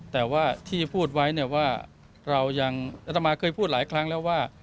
แต่ว่าที่จะพูดไว้เนี่ยว่าเรายังอัตมาเคยพูดหลายครั้งแล้วว่า